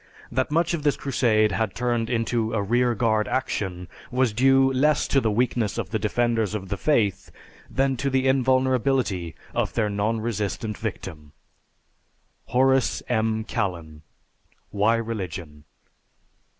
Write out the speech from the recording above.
That much of this crusade had turned into a rear guard action was due less to the weakness of the defenders of the faith than to the invulnerability of their non resistant victim._ HORACE M. KALLEN, "Why Religion?"